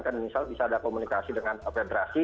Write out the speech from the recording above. kan misal bisa ada komunikasi dengan federasi